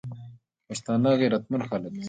پښتانه غیرتمن خلک دي.